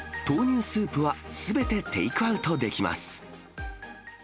豆乳スープはすべてテイクアウトできます。